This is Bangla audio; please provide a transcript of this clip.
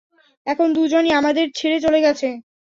এখন দুজনই আমাদের ছেড়ে চলে গেছে।